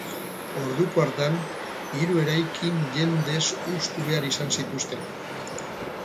Orduko hartan, hiru eraikin jendez hustu behar izan zituzten.